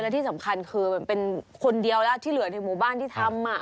และที่สำคัญคือมันเป็นคนเดียวแล้วที่เหลือในหมู่บ้านที่ทำ